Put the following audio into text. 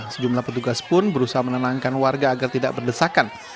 sejumlah petugas pun berusaha menenangkan warga agar tidak berdesakan